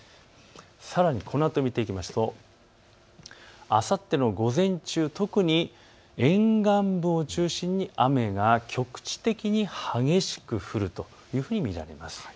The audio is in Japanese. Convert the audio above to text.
さらにこのあとを見ていくとあさっての午前中、特に沿岸部を中心に雨が局地的に激しく降ると見られます。